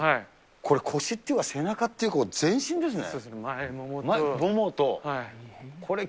これ、腰っていうか背中っていうか、全身ですね。